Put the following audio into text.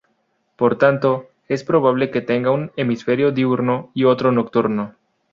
Por tanto, es probable que tenga un hemisferio diurno y otro nocturno.